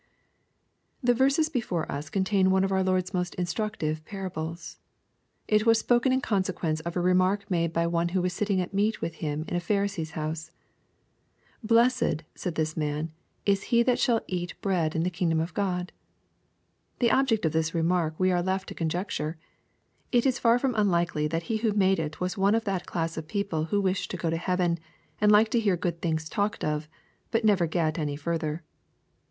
The verses before us contaia one of our Lord's most instructive parables. It was spoken in consequence of a remark made by one who was sitting at meat with Him in a Pharisee's house. " Blessed," said this man, " is he that shall eat bread in the kingdom of God." — The object of this remark we are left to conjecture. It is far from unlikely that he who made it was one of that class of people who wish to go to heaven, and like to hear good things talked of, but never get any further.